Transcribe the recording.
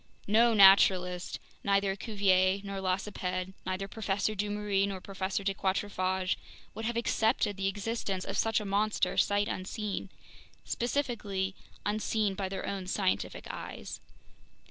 No naturalist, neither Cuvier nor Lacépède, neither Professor Dumeril nor Professor de Quatrefages, would have accepted the existence of such a monster sight unseen—specifically, unseen by their own scientific eyes.